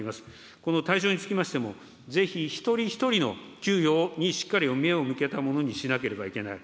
この対象につきましても、ぜひ一人一人の給与にしっかり目を向けたものにしなければいけない。